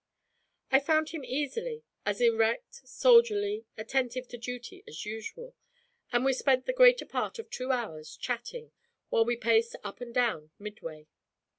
I found him easily as erect, soldierly, attentive to duty as usual and we spent the greater part of two hours chatting, while we paced up and down Midway.